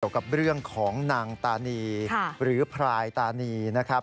กับเรื่องของนางตานีหรือพรายตานีนะครับ